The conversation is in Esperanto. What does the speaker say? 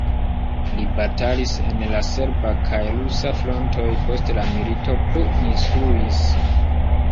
Li batalis en la serba kaj rusa frontoj, post la milito plu instruis.